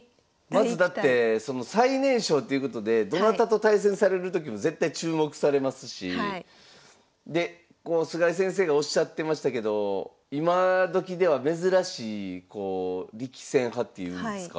まずだって最年少っていうことでどなたと対戦されるときも絶対注目されますしで菅井先生がおっしゃってましたけど今どきでは珍しい力戦派っていうんですか？